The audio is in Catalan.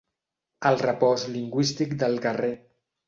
El repòs lingüístic del guerrer.